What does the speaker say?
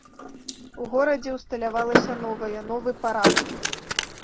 У горадзе ўсталявалася новае, новы парадак.